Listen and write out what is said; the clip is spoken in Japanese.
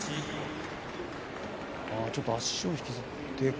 ちょっと足を引きずって。